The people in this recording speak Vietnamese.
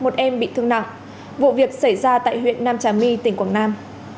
thương nặng vụ việc xảy ra tại huyện nam trà my tỉnh quảng nam